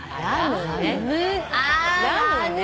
ラムね。